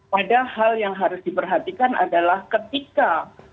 pada hal yang harus diperhatikan adalah ketika